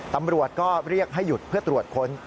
ตำรวจก็เรียกให้หยุดเพื่อตรวจค้น